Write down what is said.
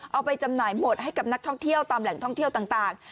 เอาไปจำหน่ายหมดให้กับนักท่องเที่ยวตามแหล่งท่องเที่ยวต่าง